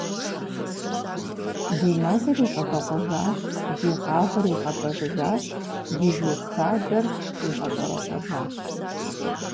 Ди мэлыр игъэбэгъуэжащ, ди гъавэр игъэбэвыжащ, ди жыг хадэр къигъэщӀэрэщӀэжащ!